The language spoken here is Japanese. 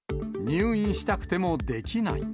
入院したくてもできない。